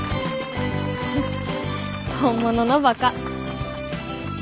本物のバカ。